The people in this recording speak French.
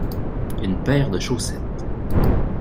Une paire de chaussettes.